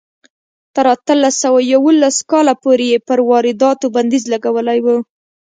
تر اتلس سوه یوولس کاله پورې یې پر وارداتو بندیز لګولی و.